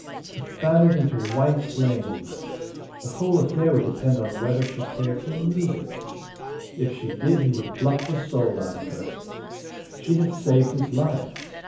To fan it into white flame. The whole affair would depend upon whether she cared for music. If she did he would pluck the soul out of her. She had saved his life.